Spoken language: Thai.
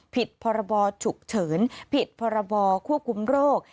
ผิดพรบฉุกเฉินผิดพรบควบคุมโรค